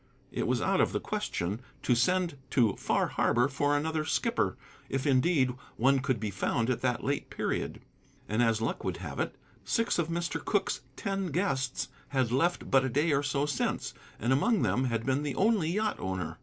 It was out of the question to send to Far Harbor for another skipper, if, indeed, one could be found at that late period. And as luck would have it, six of Mr. Cooke's ten guests had left but a day or so since, and among them had been the only yacht owner.